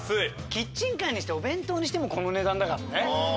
キッチンカーにしてお弁当にしてもこの値段だからね。